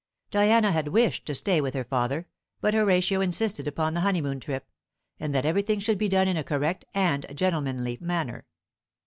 Diana had wished to stay with her father, but Horatio insisted upon the honeymoon trip, and that everything should be done in a correct and gentlemanly manner.